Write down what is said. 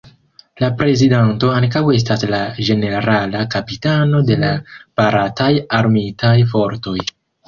La Prezidanto ankaŭ estas la Ĝenerala Kapitano de la Barataj Armitaj Fortoj.